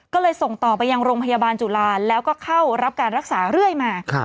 ก็เลยส่งต่อไปยังโรงพยาบาลจุฬาแล้วก็เข้ารับการรักษาเรื่อยมา